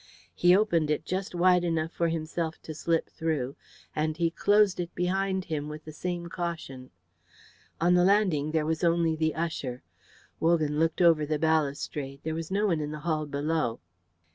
He opened it just wide enough for himself to slip through, and he closed it behind him with the same caution. On the landing there was only the usher. Wogan looked over the balustrade; there was no one in the hall below.